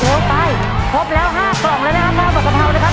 เร็วไปพร้อมแล้วห้ากล่องแล้วนะครับห้ากระเภานะครับ